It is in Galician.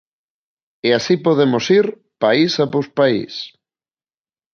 E así podemos ir país após país.